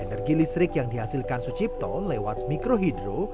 energi listrik yang dihasilkan sucipto lewat mikrohidro